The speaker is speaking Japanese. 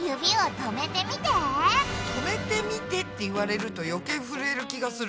止めてみてって言われると余計ふるえる気がする。